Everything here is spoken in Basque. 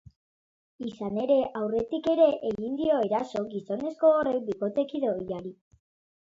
Izan ere, aurretik ere egin dio eraso gizonezko horrek bikotekide ohiari.